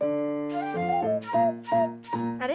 あれ？